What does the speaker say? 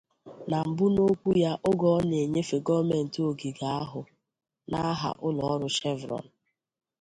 Na mbụ n'okwu ya oge ọ na-enyefe gọọmentị ogige ahụ n'aha ụlọọrụ Chevron